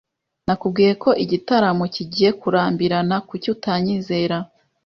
Nakubwiye ko igitaramo kigiye kurambirana. Kuki utanyizeye?